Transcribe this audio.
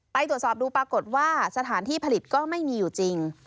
ไปตรวจสอบดูปรากฏว่าสถานที่ผลิตก็ไม่มีอยู่จริง